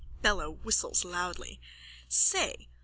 BELLO: (Whistles loudly.) Say!